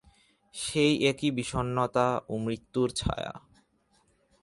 সেই একই বিষন্নতা ও মৃত্যুর ছায়া।